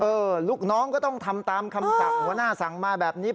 ลูกน้องก็ต้องทำตามคำสั่งหัวหน้าสั่งมาแบบนี้